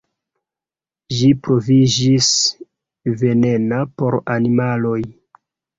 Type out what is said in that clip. Ĝi pruviĝis venena por animaloj.